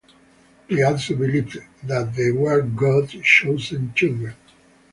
They also believed that they were God's chosen children.